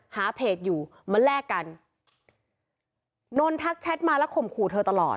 หาเพจอยู่มาแลกกันนนทักแชทมาแล้วข่มขู่เธอตลอด